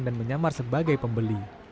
dan menyamar sebagai pembeli